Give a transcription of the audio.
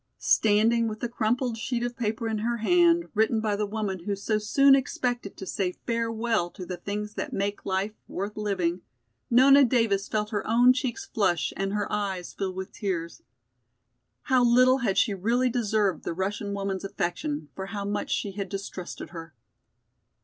Standing with the crumpled sheet of paper in her hand, written by the woman who so soon expected to say farewell to the things that make life worth living, Nona Davis felt her own cheeks flush and her eyes fill with tears. How little had she really deserved the Russian woman's affection, for how much she had distrusted her!